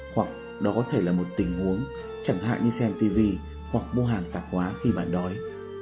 hoặc đó có thể là một tình huống chẳng hạn như xem tv hoặc mua hàng tạp hóa khi bạn đói